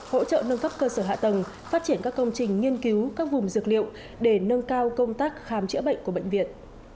hỗ trợ nâng cấp cơ sở hạ tầng phát triển các công trình nghiên cứu các vùng dược liệu để nâng cao công tác khám chữa bệnh của bệnh viện